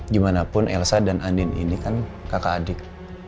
gimanapun elsa dan andin ini kan kakak adik